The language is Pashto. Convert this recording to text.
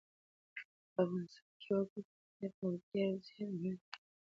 په افغانستان کې وګړي خورا ډېر او ډېر زیات اهمیت لري.